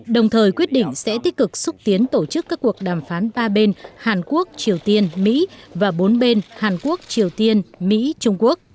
đồng thời quyết định sẽ tích cực xúc tiến tổ chức các cuộc đàm phán ba bên hàn quốc triều tiên mỹ và bốn bên hàn quốc triều tiên mỹ trung quốc